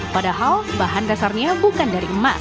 padahal bahan dasarnya bukan dari emas